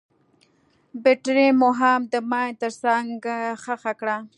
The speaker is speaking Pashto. بټرۍ مو هم د ماين تر څنګ ښخه کړه.